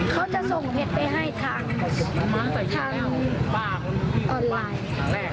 เขาจะส่งเห็ดไปให้ทางปากออนไลน์